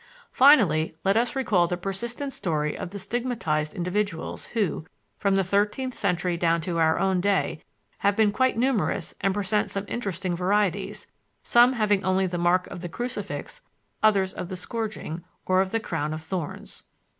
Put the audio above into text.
Finally, let us recall the persistent story of the stigmatized individuals, who, from the thirteenth century down to our own day, have been quite numerous and present some interesting varieties some having only the mark of the crucifix, others of the scourging, or of the crown of thorns.